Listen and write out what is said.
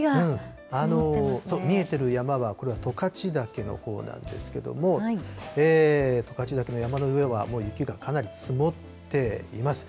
見えてる山は、これは十勝岳のほうなんですけれども、十勝岳の山の上はもう雪がかなり積もっています。